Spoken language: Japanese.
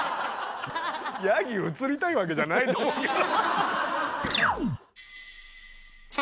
ヤギ映りたいわけじゃないと思うけど。